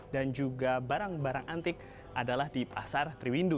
dan juga barang barang antik adalah di pasar triwindu